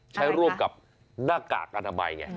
ใช้ร่วมกับหน้ากากอนามัย